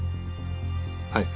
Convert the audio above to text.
はい。